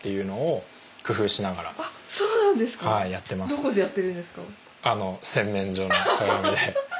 どこでやってるんですか？